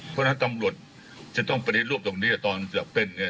เพราะฉะนั้นตำรวจจะต้องปฏิรูปตรงนี้ตอนจะเป็นเนี่ย